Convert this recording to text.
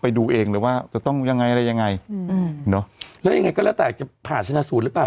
ไปดูเองเลยว่าจะต้องยังไงอะไรยังไงอืมเนอะแล้วยังไงก็แล้วแต่จะผ่าชนะสูตรหรือเปล่า